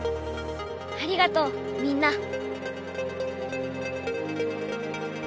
ありがとうみんな！